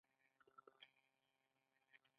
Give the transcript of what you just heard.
باز تل خپل ځای بدلوي